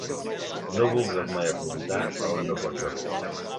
No vulgues mai apuntar a on no pots arribar.